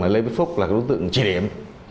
là lê viết phúc là đối tượng trị điểm